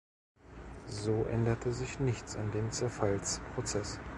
So änderte sich nichts an dem Zerfallsprozess.